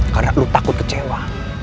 karena lo takut kecewa